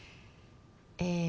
え